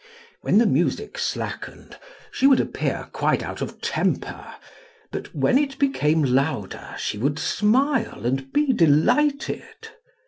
When the music slackened she would appear quite out of temper, but when it became louder she would smile and be delighted.